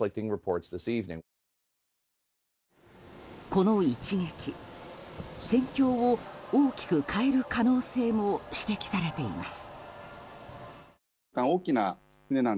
この一撃、戦況を大きく変える可能性も指摘されています。